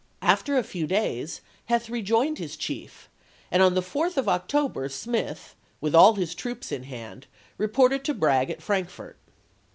After a few days Heth rejoined his chief, and on the 4th of October Smith, with all his troops in hand, reported to Bragg at Frankfort.